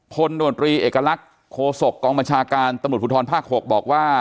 พลโนตรีเอกลักษณ์โคศกกองบัญชาการตำรวจภูทรภาค๖บอกว่า